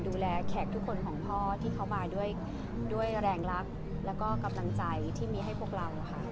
แขกทุกคนของพ่อที่เขามาด้วยแรงรักแล้วก็กำลังใจที่มีให้พวกเราค่ะ